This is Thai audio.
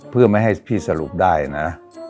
เพื่อไม่ให้พี่สรุปได้นะ